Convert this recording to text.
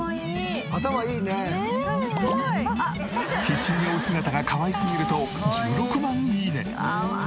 必死に追う姿がかわいすぎると１６万いいね！